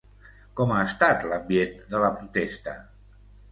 Com ha estat l'ambient de la protesta?